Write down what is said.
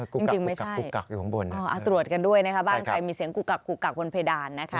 จริงไม่ใช่อ๋อตรวจกันด้วยนะครับบ้านใครมีเสียงกุกกักบนเพดานนะคะ